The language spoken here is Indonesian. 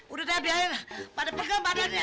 udah deh biayain pada pegel badannya